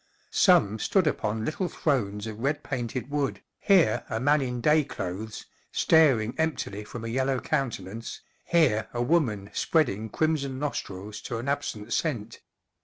Some stood upon little thrones of red painted wood, here a man in day clothes, staring emptily from a yellow countenance, here a woman spreading crimson nostrils to an absent scent.